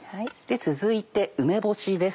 続いて梅干しです。